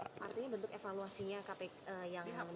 artinya bentuk evaluasinya yang